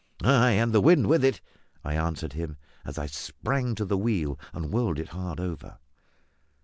"Ay, and the wind with it," I answered him, as I sprang to the wheel and whirled it hard over.